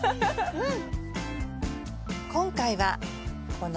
うん！